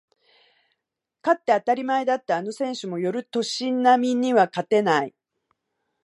勝って当たり前だったあの選手も寄る年波には勝てない